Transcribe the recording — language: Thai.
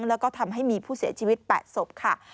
แล้วก็ทำให้มีผู้เสียชีวิต๘ศพค่ะ